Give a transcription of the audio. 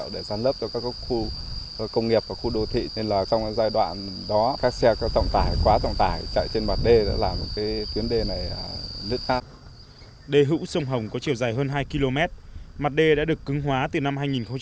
đê hữu sông hồng có chiều dài hơn hai km mặt đê đã được cứng hóa từ năm hai nghìn một mươi